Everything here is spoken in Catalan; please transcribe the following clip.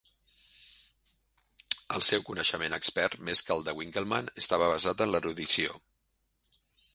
El seu coneixement expert, més que el de Winckelmann, estava basat en la erudició.